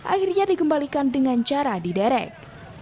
akhirnya dikembalikan dengan cara diderek